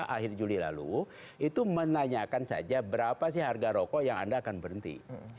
akhir juli lalu itu menanyakan saja berapa sih harga rokok yang anda akan berhenti